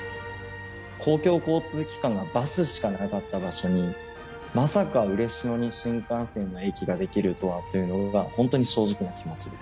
公共交通機関がバスしかなかった場所に、まさか嬉野に新幹線の駅ができるとはというのが正直な気持ち。